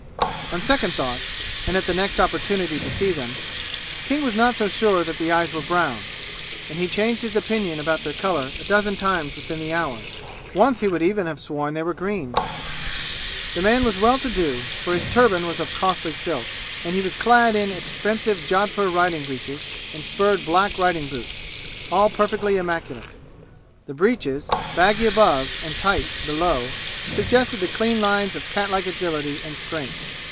On second thoughts, and at the next opportunity to see them, King was not so sure that the eyes were brown, and he changed his opinion about their color a dozen times within the hour. Once he would even have sworn they were green. The man was well to do, for his turban was of costly silk, and he was clad in expensive jodpur riding breeches and spurred black riding boots, all perfectly immaculate. The breeches, baggy above and tight, below, suggested the clean lines of cat like agility and strength.